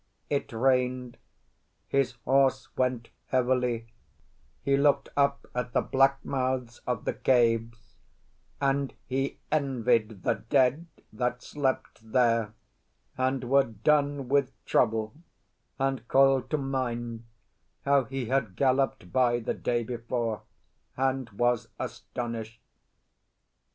It rained; his horse went heavily; he looked up at the black mouths of the caves, and he envied the dead that slept there and were done with trouble; and called to mind how he had galloped by the day before, and was astonished.